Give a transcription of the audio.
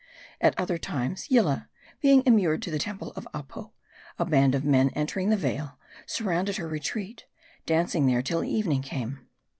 At other times, Yillah being immured in the temple of Apo, a band of men entering the vale, surrounded her re treat, dancing there till evening came.